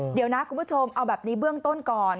เดี๋ยวนะคุณผู้ชมเอาแบบนี้เบื้องต้นก่อน